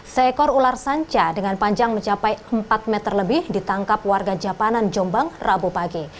seekor ular sanca dengan panjang mencapai empat meter lebih ditangkap warga japanan jombang rabu pagi